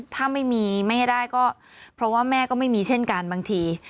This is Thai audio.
ถ้าไม่มีไม่ให้ได้ก็เพราะว่าแม่ก็ไม่มีเช่นกันบางที